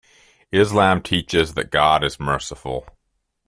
Islam teaches that God is Merciful.